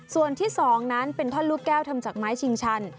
ส่วนที่๒นั้นเป็นท่อนลูกแก้วทำจากไม้ชิงชัน